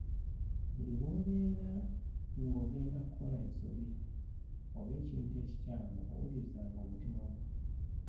Buli lw’obeera ng'ogenda kukola ensobi oba ekintu ekikyamu owulirizanga omutima gwo.